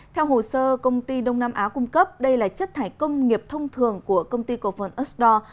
theo hồ sơ công ty đông nam á cung cấp đây là chất thải công nghiệp thông thường của công ty cổ phần estdor